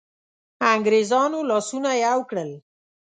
انګرېزانو لاسونه یو کړل.